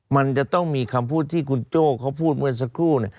มันจะต้องมีคำพูดที่คุณโจ้เขาพูดเมื่อสักครู่